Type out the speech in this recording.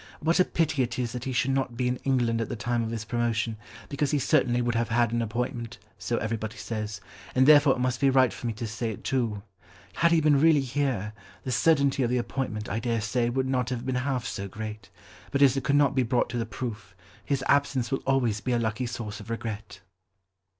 What a pity it is that he should not be in England at the time of his promotion, because he certainly would have had an appointment, so everybody says, and therefore it must be right for me to say it too. Had he been really here, the certainty of the appointment, I dare say, would not have been half so great, but as it could not be brought to the proof, his absence will always be a lucky source of regret."